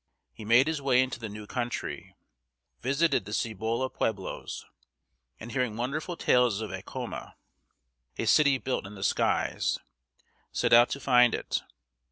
He made his way into the new country, visited the Cibola pueblos, and hearing wonderful tales of Acoma (ah´co ma), a city built in the skies, set out to find it.